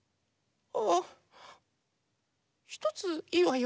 あぁひとついいわよ。